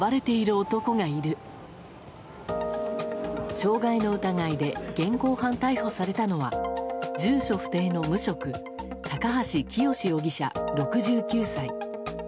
傷害の疑いで現行犯逮捕されたのは住所不定の無職高橋清容疑者、６９歳。